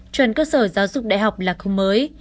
chuẩn cơ sở giáo dục đại học là không mới